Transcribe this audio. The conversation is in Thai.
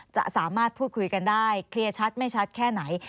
จะสามารถพูดคุยกันได้เคลียร์ชัดไม่ชัดแค่ไหน